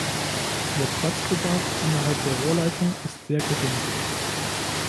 Ihr Platzbedarf innerhalb der Rohrleitung ist sehr gering.